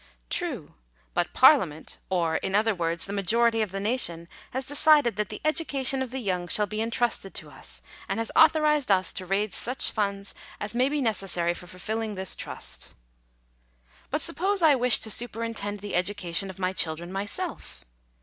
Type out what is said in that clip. "True; but parliament, or, in other words, the majority of the nation, has decided that the education of the young shall be entrusted to us, and has authorized us to raise such funds as may be necessary for fulfilling this trust" Digitized by VjOOQIC THE LIMIT OF 8TATE DUTY. 277 "Bat suppose I wish to superintend the education of my children myself?"